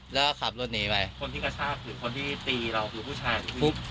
แล้วก็ขับรถหนีไปคนที่กระชากคือคนที่ตีเราคือผู้ชายทุบ